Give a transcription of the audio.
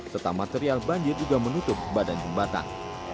serta material banjir juga menutup badan jembatan